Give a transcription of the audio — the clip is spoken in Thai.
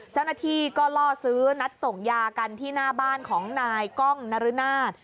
เจ้าหน้าที่ก็ล่อซื้อนัดส่งยากันที่หน้าบ้านของนายกล้องนรนาศ